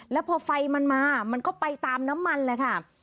แล้วพอไฟมันมามันก็ไปตามน้ำมันแหละค่ะ